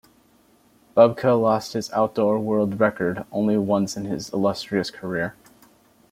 Bubka lost his outdoor world record only once in his illustrious career.